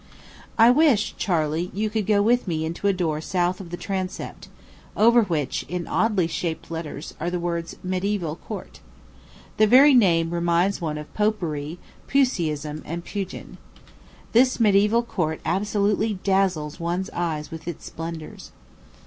I wish, Charley, you could go with me into a door south of the transept, over which, in oddly shaped letters, are the words "MEDIÆVAL COURT." The very name reminds one of Popery, Puseyism, and Pugin. This mediæval court absolutely dazzles one's eyes with its splendors.